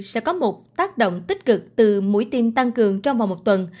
sẽ có một tác động tích cực từ mũi tiêm tăng cường trong vòng một tuần